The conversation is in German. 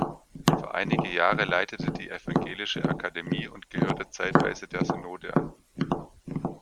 Für einige Jahre leitete die Evangelische Akademie und gehörte zeitweise der Synode an.